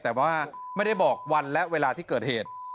แต่ว่าไม่ได้บอกวันและเวลาที่เกิดเหตุ